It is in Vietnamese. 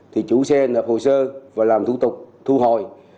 thì chủ xe nợ hồ sơ và làm thủ tục thu hồi